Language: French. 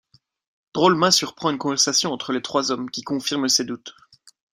Drolma surprend une conversation entre les trois hommes qui confirme ses doutes.